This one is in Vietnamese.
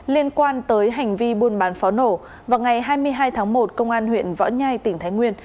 liên quan tới hành vi buôn bán pháo nổ vào ngày hai mươi hai tháng một công an huyện võ nhai tỉnh thái nguyên